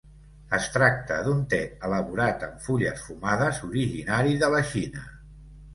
Es tracta d'un te elaborat amb fulles fumades originari de la Xina.